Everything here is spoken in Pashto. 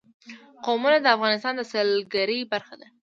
قومونه د افغانستان د سیلګرۍ برخه ده.